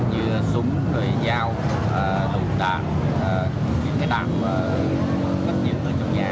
như súng rồi giao đụng đạn những cái đạn các nhiệm vụ trong nhà